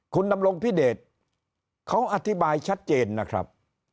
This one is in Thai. คุณดำรงพิเดชเขาอธิบายชัดเจนนะครับ